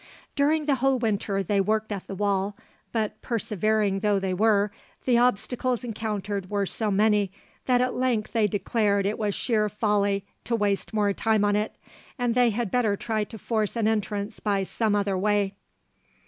During the whole winter they worked at the wall, but, persevering though they were, the obstacles encountered were so many that at length they decided it was sheer folly to waste more time on it, and they had better try to force an entrance by some other way.